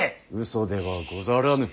嘘ではござらぬ。